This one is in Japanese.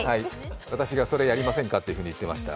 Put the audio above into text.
私がそれやりませんかと言っていました。